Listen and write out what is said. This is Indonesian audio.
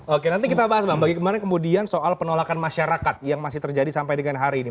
oke nanti kita bahas bang bagaimana kemudian soal penolakan masyarakat yang masih terjadi sampai dengan hari ini